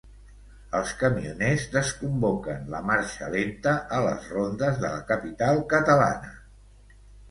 Els camioners desconvoquen la marxa lenta a les rondes de la capital catalana.